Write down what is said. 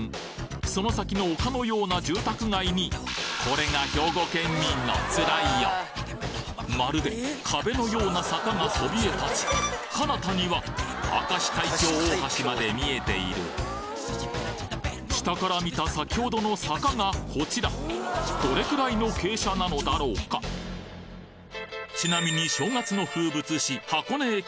その先の丘のような住宅街にこれが兵庫県民のつらいよまるで壁のような坂がそびえ立ち彼方には明石海峡大橋まで見えている下から見た先程の坂がこちらちなみに正月の風物詩